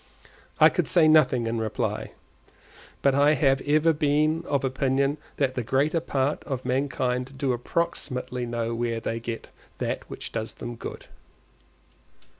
I could say nothing in reply, but I have ever been of opinion that the greater part of mankind do approximately know where they get that which does them good.